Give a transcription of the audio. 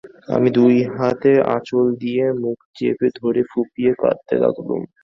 আমি দুই হাতে আঁচল দিয়ে মুখ চেপে ধরে ফুঁপিয়ে কাঁদতে লাগলুম।